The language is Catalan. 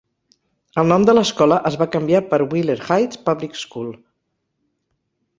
El nom de l'escola es va canviar per Wheeler Heights Public School.